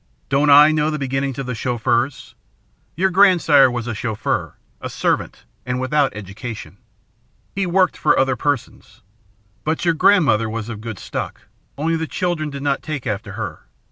"Don't I know the beginnings of the Chauffeurs? Your grandsire was a chauffeur, a servant, and without education. He worked for other persons. But your grandmother was of good stock, only the children did not take after her.